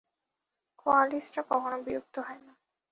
কোয়ালিস্টরা কখনো বিরক্ত হয় না।